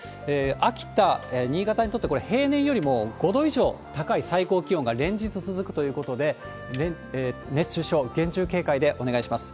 秋田、新潟にとって、これ、平年よりも５度以上高い最高気温が連日続くということで、熱中症、厳重警戒でお願いします。